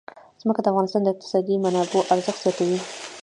ځمکه د افغانستان د اقتصادي منابعو ارزښت زیاتوي.